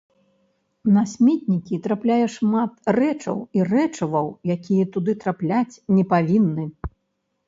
На сметнікі трапляе шмат рэчаў і рэчываў, якія туды трапляць не павінны.